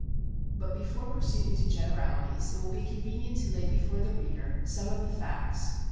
But before proceeding to generalities it will be convenient to lay before the reader some of the facts.